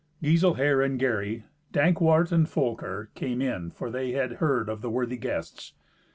Giselher and Gary, Dankwart and Folker, came in, for they had heard of the worthy guests.